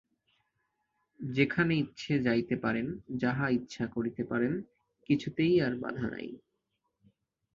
যেখানে ইচ্ছা যাইতে পারেন, যাহা ইচ্ছা করিতে পারেন, কিছুতেই আর বাধা নাই।